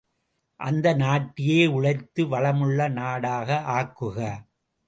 அந்த நாட்டையே உழைத்து வளமுள்ள நாடாக ஆக்குக!